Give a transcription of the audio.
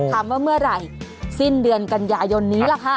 ว่าเมื่อไหร่สิ้นเดือนกันยายนนี้ล่ะค่ะ